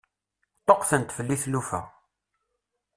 Ṭṭuqqtent fell-i tlufa.